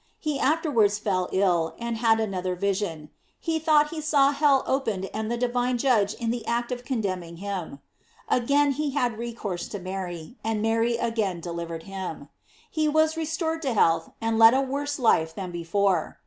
He afterwards fell ill, and had another vision; he thought he saw hell opened and the divine Judge in the act of condemning him. Again he had recourse to Mary, and Mary again delivered him. He was restored to health and led a worse life than before.